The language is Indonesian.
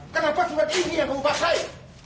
kenapa seperti ini yang kamu pakai